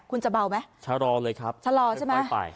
คุณจะเบาไหมซาลอเลยครับพ่อยไป